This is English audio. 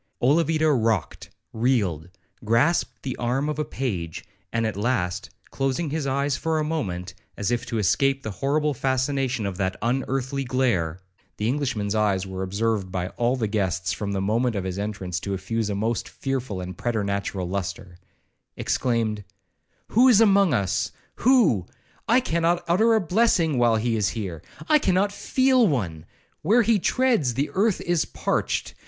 Olavida rocked, reeled, grasped the arm of a page, and at last, closing his eyes for a moment, as if to escape the horrible fascination of that unearthly glare, (the Englishman's eyes were observed by all the guests, from the moment of his entrance, to effuse a most fearful and preternatural lustre), exclaimed, 'Who is among us?—Who?—I cannot utter a blessing while he is here. I cannot feel one. Where he treads, the earth is parched!